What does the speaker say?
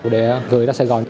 để gửi ra sài gòn